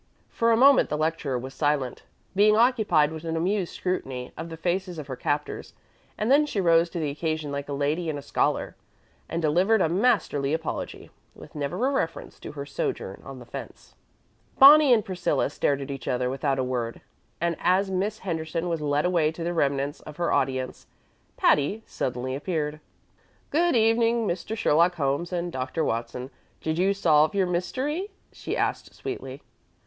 For a moment the lecturer was silent, being occupied with an amused scrutiny of the faces of her captors; and then she rose to the occasion like a lady and a scholar, and delivered a masterly apology, with never a reference to her sojourn on the fence. Bonnie and Priscilla stared at each other without a word, and as Miss Henderson was led away to the remnants of her audience Patty suddenly appeared. "Good evening, Mr. Sherlock Holmes and Dr. Watson. Did you solve your mystery?" she asked sweetly.